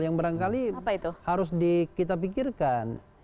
yang barangkali harus kita pikirkan